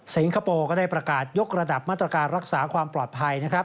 คโปร์ก็ได้ประกาศยกระดับมาตรการรักษาความปลอดภัยนะครับ